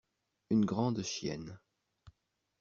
Une grande chienne.